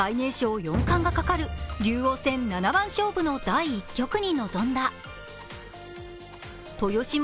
週末には最年少四冠がかかる竜王戦七番勝負の第１局に臨んだ。